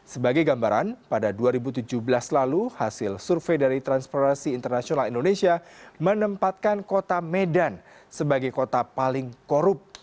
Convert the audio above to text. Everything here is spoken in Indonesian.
sebagai gambaran pada dua ribu tujuh belas lalu hasil survei dari transformasi internasional indonesia menempatkan kota medan sebagai kota paling korup